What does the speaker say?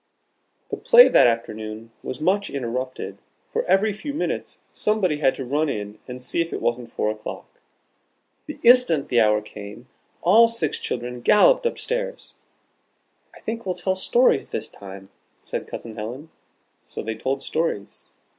The play that afternoon was much interrupted, for every few minutes somebody had to run in and see if it wasn't four o'clock. The instant the hour came, all six children galloped up stairs. "I think we'll tell stories this time," said Cousin Helen. So they told stories.